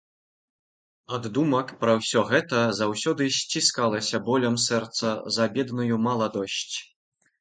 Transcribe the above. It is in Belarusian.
Ад думак пра ўсё гэта заўсёды сціскалася болем сэрца за бедную маладосць.